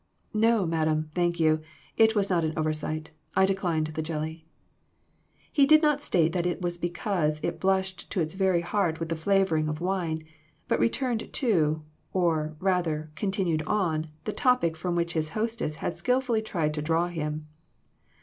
" No, madame, thank you ; it was not an over sight. I declined the jelly." He did not say that it was because it blushed to its very heart with the flavoring of wine, but returned to, or, rather, continued on, the topic from which his hostess had skillfully tried to draw him.